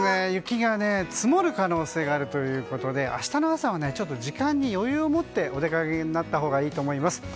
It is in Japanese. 雪が積もる可能性があるということで明日の朝は時間に余裕を持ってお出かけになったほうがいいと思います。